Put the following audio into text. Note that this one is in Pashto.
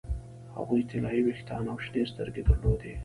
هغې طلايي ویښتان او شنې سترګې درلودې